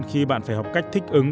khi bạn phải học cách thích ứng